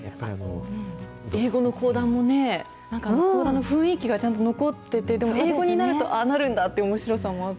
英語の講談もね、講談の雰囲気が残ってて、でも英語になると、ああなるんだっておもしろさもあって。